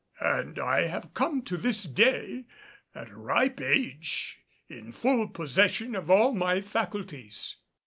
And I have come to this day, at a ripe age, in full possession of all my faculties.